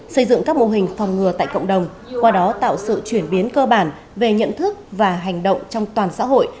xây dựng các mô hình phòng ngừa tại cộng đồng qua đó tạo sự chuyển biến cơ bản về nhận thức và hành động trong toàn xã hội